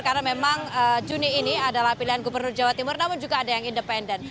karena memang juni ini adalah pilihan gubernur jawa timur namun juga ada yang independen